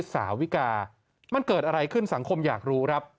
สาวิกามันเกิดอะไรขึ้นสังคมอยากรู้ครับ